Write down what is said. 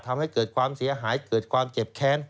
ทำให้เกิดความเสียหายเกิดความเจ็บแค้น